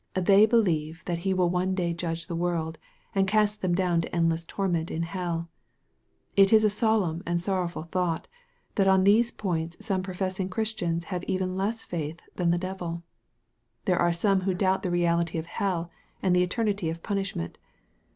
They believe that he will one day judge the world, and cast them down to endless torment in hell. It is a solemn and sorrowful thought, that on these points some professing Christians have even less faith than the devil. There are some who doubt the reality of hell and the eternity of punishment.